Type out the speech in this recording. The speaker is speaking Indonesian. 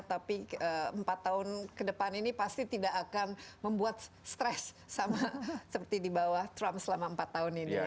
tapi empat tahun ke depan ini pasti tidak akan membuat stres sama seperti di bawah trump selama empat tahun ini